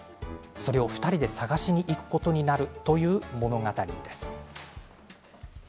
それを２人で探しに行くことになるという物語です。